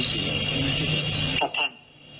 ใจเย็น